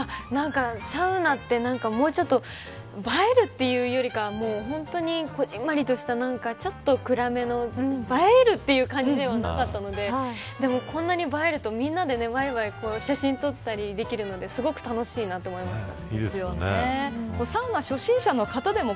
サウナちょっと映えるというよりかは本当にこぢんまりとしたちょっと暗めの映えるという感じではなかったのででもこんなに映えると皆でわいわい写真撮ったりできるのですごく楽しいなって思いました。